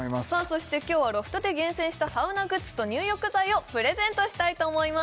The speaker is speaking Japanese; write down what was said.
そして今日はロフトで厳選したサウナグッズと入浴剤をプレゼントしたいと思います